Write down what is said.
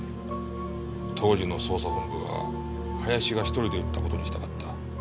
当時の捜査本部は林が１人で撃った事にしたかった。